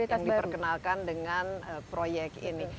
yang diperkenalkan dengan proyek ini